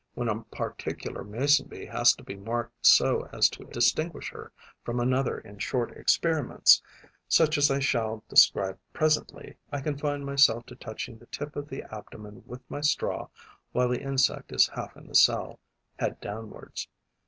When a particular Mason bee has to be marked so as to distinguish her from another in short experiments, such as I shall describe presently, I confine myself to touching the tip of the abdomen with my straw while the insect is half in the cell, head downwards.